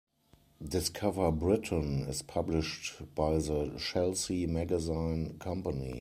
"Discover Britain" is published by the Chelsea Magazine Company.